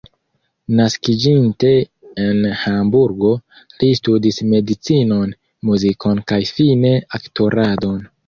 Naskiĝinte en Hamburgo, li studis medicinon, muzikon kaj fine aktoradon.